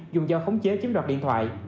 dùng do khống chế chiếm đoạt điện thoại